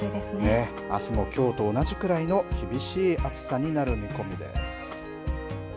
あすもきょうと同じくらいの厳しい暑さになる見込みです。